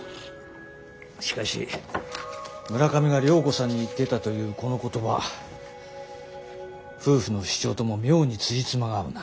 しかし村上が涼子さんに言ってたというこの言葉夫婦の主張とも妙につじつまが合うな。